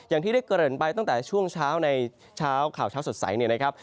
อย่างที่ได้เกริ่นไปตั้งแต่ช่วงเช้าในเช้าข่าวเช้าสดใสเนี่ยนะครับ